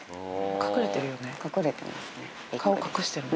隠れてるよね？